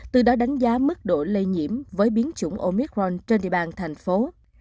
từ đó đánh giá mức độ lây nhiễm với biến chủng omicron trên địa bàn thành phố